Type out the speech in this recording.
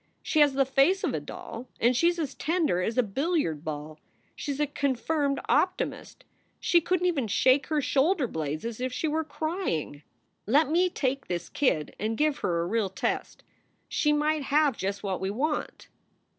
She has the face of a doll and she s as tender as a billiard ball. She s a confirmed optimist. She couldn t even shake her shoulder blades as if she were crying. SOULS FOR SALE 217 "Let me take this kid and give her a real test. She might have just what we want."